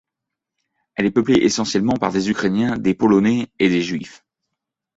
Elle est peuplée essentiellement par des Ukrainiens, des Polonais et des Juifs.